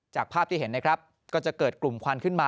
จากภาพที่เห็นก็จะเกิดกลุ่มควันขึ้นมา